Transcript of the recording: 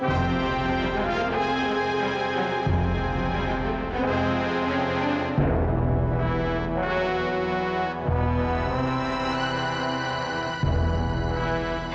kamila akan memilih